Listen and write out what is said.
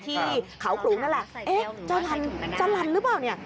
ที่เขาขลุงนั่นแหละเอ๊ะเจ้าลันเจ้าลันหรือเปล่าเนี่ย